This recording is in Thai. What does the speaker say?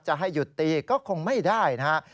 จะให้หยุดตีก็คงไม่ได้นะครับ